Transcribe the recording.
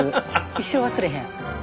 一生忘れへん。